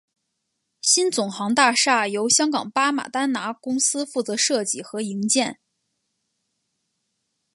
新总行大厦由香港巴马丹拿公司负责设计和营建。